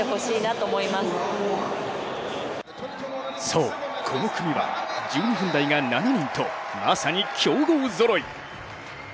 そう、この組は１２分台が７人とまさに強豪ぞろい。